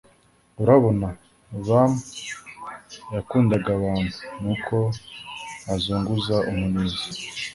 urabona, rum yakundaga abantu, nuko azunguza umurizo.